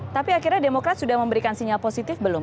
tapi akhirnya demokrat sudah memberikan sinyal positif belum